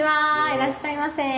いらっしゃいませ。